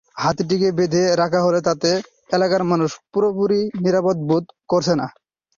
হাতিটিকে বেঁধে রাখা হলেও তাতে এলাকার মানুষ পুরোপুরি নিরাপদ বোধ করছে না।